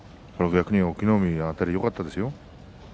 逆に隠岐の海のあたりはよかったですよ。